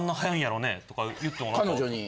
彼女に？